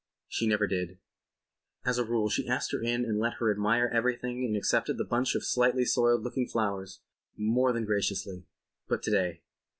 She never did. As a rule she asked her in and let her admire everything and accepted the bunch of slightly soiled looking flowers—more than graciously. But to day